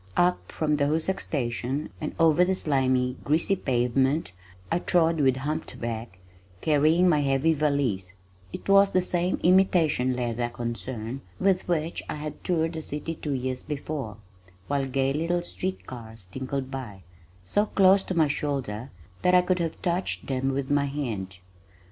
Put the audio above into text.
Up from the Hoosac Station and over the slimy, greasy pavement I trod with humped back, carrying my heavy valise (it was the same imitation leather concern with which I had toured the city two years before), while gay little street cars tinkled by, so close to my shoulder that I could have touched them with my hand.